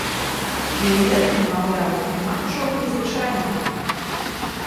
І ў гэтым, маўляў, няма нічога незвычайнага.